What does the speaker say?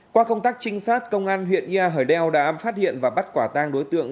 qua công tác trinh sát công an huyện yai đeo đã phát hiện và bắt quả tang đối tượng